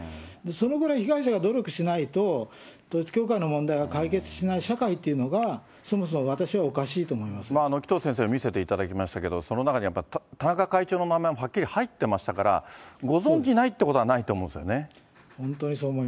そのぐらい被害者が努力しないと、統一教会の問題は解決しない社会っていうのが、そもそも私はおか紀藤先生に見せていただきましたけど、その中に田中会長の名前もはっきり入ってましたから、ご存じないということはないと思うんですよね。